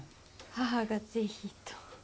母がぜひと。